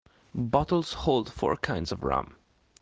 Bottles hold four kinds of rum.